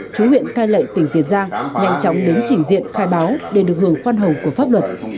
chú huyện cai lệ tỉnh tiền giang nhanh chóng đến trình diện khai báo để được hưởng khoan hồng của pháp luật